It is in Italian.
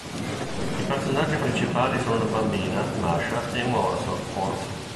I personaggi principali sono una bambina, Masha, e un orso, Orso.